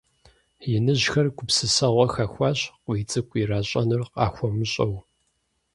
Иныжьхэр гупсысэгъуэ хэхуащ, КъуийцӀыкӀу иращӀэнур къахуэмыщӀэу.